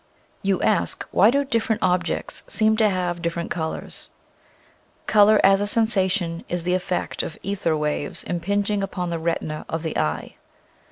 You ask, why do different objects seem to have different colors ? Color as a sensation is the ef fect of ether waves impinging upon the retina of the eye.